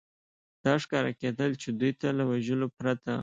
دا ښکاره کېدل، چې دوی ته له وژلو پرته.